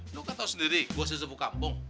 lu kan tahu sendiri gua sesepu kampung